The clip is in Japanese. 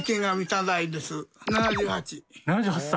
７８歳？